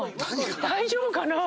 大丈夫かな？